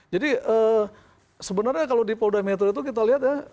jadi sebenarnya kalau di polda meta itu kita lihat ya